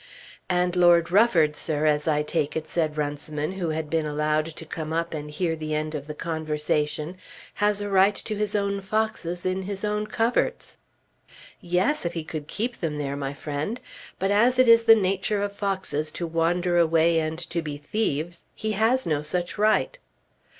"And Lord Rufford, sir, as I take it," said Runciman, who had been allowed to come up and hear the end of the conversation, "has a right to his own foxes in his own coverts." "Yes, if he could keep them there, my friend. But as it is the nature of foxes to wander away and to be thieves, he has no such right."